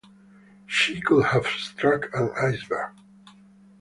She could have struck an iceberg.